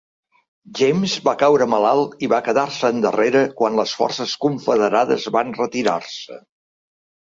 James va caure malalt i va quedar-se endarrere quan les forces Confederades van retirar-se.